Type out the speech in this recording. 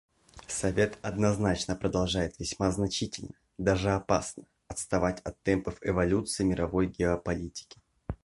Совет однозначно продолжает весьма значительно, даже опасно, отставать от темпов эволюции мировой геополитики.